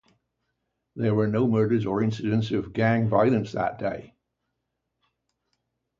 There were no murders or incidents of gang violence that day.